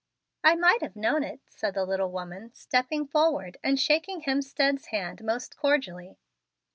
"I might have known it," said the little woman, stepping forward and shaking Hemstead's hand most cordially.